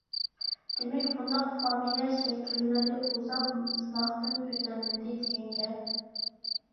دېمەك، بۇنداق فامىلە شەكىللىرى ئۇزاق سىناقتىن ئۆتەلمىدى، دېگەن گەپ.